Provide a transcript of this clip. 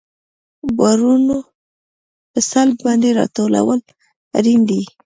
بارونه په سلب باندې راټولول اړین دي